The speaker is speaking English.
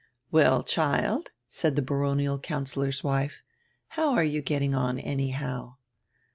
"Well, child," said die baronial councillor's wife, "how are you getting on, anyhow?"